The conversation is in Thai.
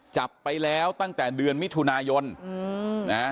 จับไปแล้วตั้งแต่เดือนมิถุนายนนะ